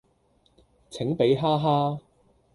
請俾哈哈